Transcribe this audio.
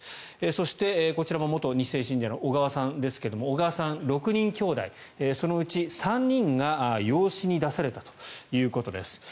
そして、こちらも元２世信者の小川さんですが小川さん、６人きょうだいそのうち３人が養子に出されたということです。